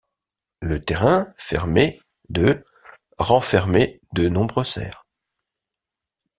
Le terrain fermé de renfermait de nombreux cerfs.